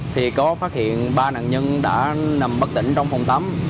thì có phát hiện ba nạn nhân đã nằm bất tỉnh trong phòng tắm